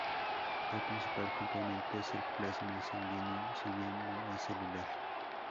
El principal componente es el plasma sanguíneo, si bien no es celular.